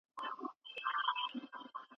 موږ د علمي سرچینو په لټه کي یو.